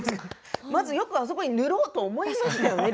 まずよくあそこに塗ろうと思いましたよね。